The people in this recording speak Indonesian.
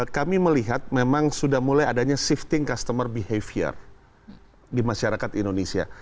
kami melihat memang sudah mulai adanya shifting customer behavior di masyarakat indonesia